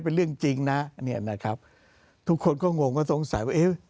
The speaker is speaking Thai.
เป็นเรื่องจริงนะเนี่ยนะครับทุกคนก็งงก็สงสัยว่าเอ๊ะ